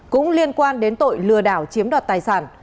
cũng liên quan đến tội lừa đảo chiếm đoạt tài sản